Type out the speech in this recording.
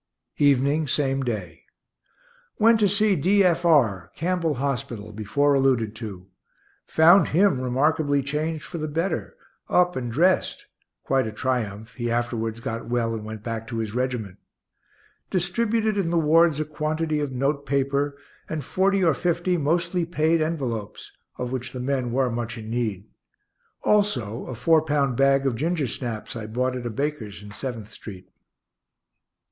Evening, same day. Went to see D. F. R., Campbell hospital, before alluded to; found him remarkably changed for the better up and dressed (quite a triumph; he afterwards got well and went back to his regiment). Distributed in the wards a quantity of note paper and forty or fifty, mostly paid, envelopes, of which the men were much in need; also a four pound bag of gingersnaps I bought at a baker's in Seventh street.